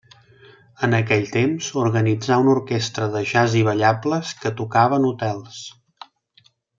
En aquell temps organitzà una orquestra de Jazz i ballables que tocava en hotels.